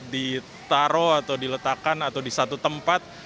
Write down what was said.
ditaruh atau diletakkan atau di satu tempat